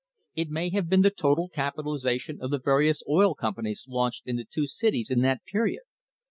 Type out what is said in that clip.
* It may have been the total capitalisation of the various oil companies launched in the two cities in that period.